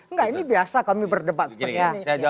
enggak ini biasa kami berdebat seperti ini